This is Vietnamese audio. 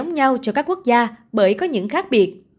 nhau cho các quốc gia bởi có những khác biệt